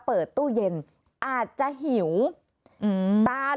เปิดตู้เย็นอาจจะหิวตาน